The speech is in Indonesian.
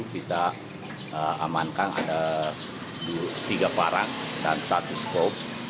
di situ kita amankan ada tiga parang dan satu skop